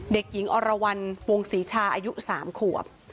เด็กหญิงอรวรรณวงศรีชาอายุ๓ขวบ